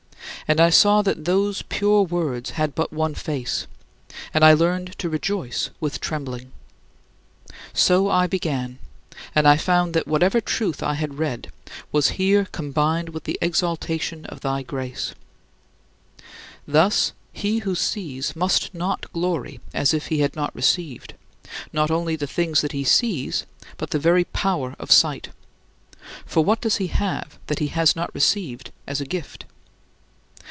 And I saw that those pure words had but one face, and I learned to rejoice with trembling. So I began, and I found that whatever truth I had read [in the Platonists] was here combined with the exaltation of thy grace. Thus, he who sees must not glory as if he had not received, not only the things that he sees, but the very power of sight for what does he have that he has not received as a gift?